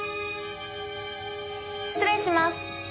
失礼します。